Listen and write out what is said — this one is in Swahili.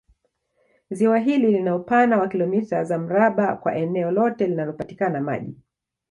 Ziwa hili lina upana wa kilomita za mraba kwa eneo lote linalopatikana maji